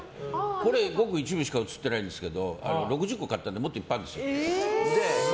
これはごく一部しか写ってないんですけど６０個買ったのでもっといっぱいあるんですよ。